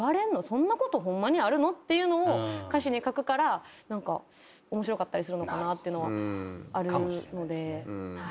そんなことホンマにあるの？っていうのを歌詞に書くから面白かったりするのかなっていうのはあるので。